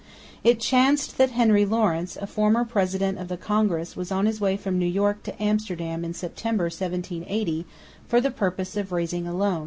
It chanced that Henry Lawrence, a former President of the Congress, was on his way from New York to Amsterdam in September, 1780, for the purpose of raising a loan.